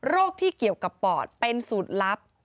ที่เกี่ยวกับปอดเป็นสูตรลับ